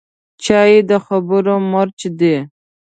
چای د خبرو مرچ دی